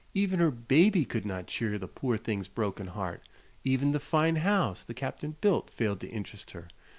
Even her baby could not cheer the poor thing's broken heart. Even the fine house the Captain built failed to interest her.